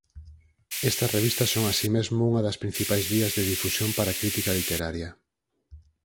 Estas revistas son así mesmo unha das principais vías de difusión para crítica literaria.